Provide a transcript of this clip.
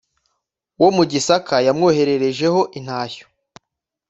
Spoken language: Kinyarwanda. wo mu Gisaka yamwohererejeho intashyo.